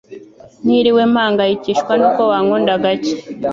ntiriwe mpangayikishwa nuko wankunda gake